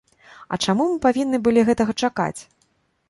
А чаму мы павінны былі гэтага чакаць?